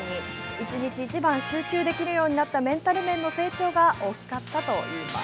一日一番集中できるようになったメンタル面の成長が大きかったといいます。